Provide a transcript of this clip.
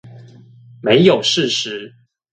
沒有事實